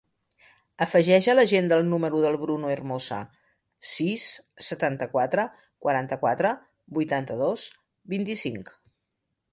Afegeix a l'agenda el número del Bruno Hermosa: sis, setanta-quatre, quaranta-quatre, vuitanta-dos, vint-i-cinc.